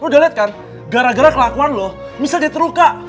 lo udah liat kan gara gara kelakuan lo michelle jadi terluka